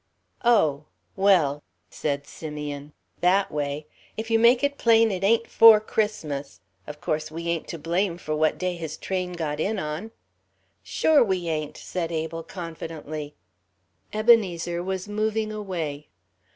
"Oh, well," said Simeon, "that way. If you make it plain it ain't for Christmas Of course, we ain't to blame for what day his train got in on." "Sure we ain't," said Abel, confidently. Ebenezer was moving away.